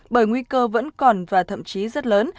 bởi nguy cơ vẫn còn và thậm chí rất lớn